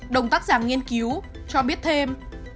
đồng tác giả nghiên cứu cho biết thêm